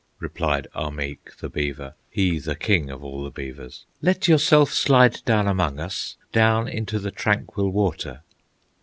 replied Ahmeek, the beaver, He the King of all the beavers, "Let yourself slide down among us, Down into the tranquil water."